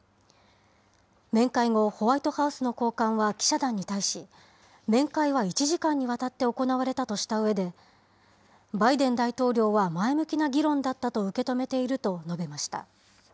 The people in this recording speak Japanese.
面会後、ホワイトハウスの高官は記者団に対し、面会は１時間にわたって行われたとしたうえで、バイデン大統領は、前向きな議論だったと受け止めていると述べました。